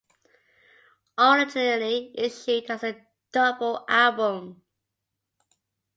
Originally issued as a double album.